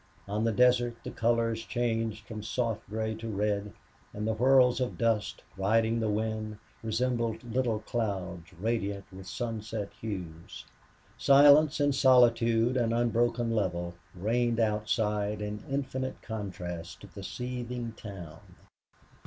On the desert the colors changed from soft gray to red and the whirls of dust, riding the wind, resembled little clouds radiant with sunset hues. Silence and solitude and unbroken level reigned outside in infinite contrast to the seething town.